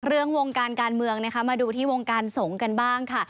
วงการการเมืองนะคะมาดูที่วงการสงฆ์กันบ้างค่ะ